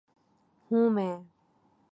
ہوں میں